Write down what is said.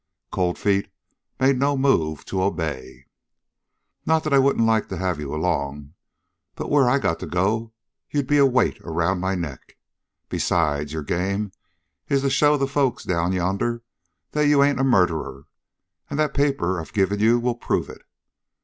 Cold Feet made no move to obey. "Not that I wouldn't like to have you along, but where I got to go, you'd be a weight around my neck. Besides, your game is to show the folks down yonder that you ain't a murderer, and that paper I've give you will prove it.